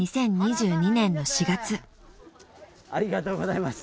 ありがとうございます。